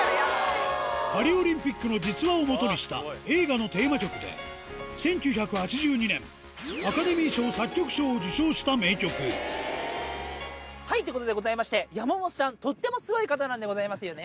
パリオリンピックの実話をもとにした、映画のテーマ曲で、１９８２年、あかでみーしょうさっきょくしょうをじゅしょうしためいきょくはい、ということでございまして、山本さん、とってもすごい方なんでございますよね。